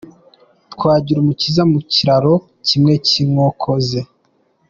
Twagirumukiza mu kiraro kimwe cy’inkoko ze.